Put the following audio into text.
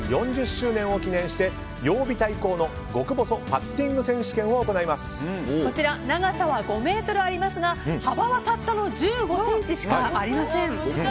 ４０周年を記念して曜日対抗の極細パッティング選手権をこちら長さは５ｍありますが幅は、たったの１５ｃｍしかありません。